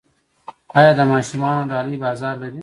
آیا د ماشومانو ډالۍ بازار لري؟